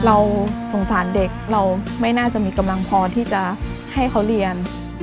เราสงสารเด็กเราไม่น่าจะมีกำลังพอที่จะให้เขาเรียน